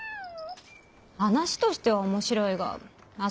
話としては面白いがあ